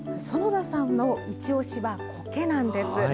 園田さんの一押しはこけなんです。